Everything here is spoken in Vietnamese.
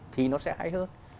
thì nó sẽ hay hơn